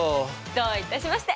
どういたしまして！